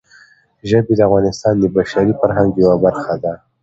ژبې د افغانستان د بشري فرهنګ یوه برخه ده.